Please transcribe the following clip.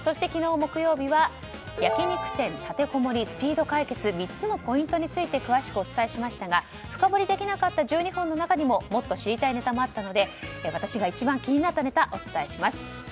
木曜日は焼き肉店立てこもりスピード解決３つのポイントについて詳しくお伝えしましたが深掘りできなかった１２本の中にももっと知りたいネタもあったので私が一番気になったネタをお伝えします。